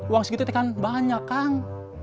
uang segitu kan banyak kang